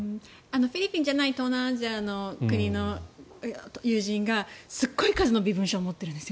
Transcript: フィリピンじゃない東南アジアの国の友人がすごい数の身分証を持っているんですよ。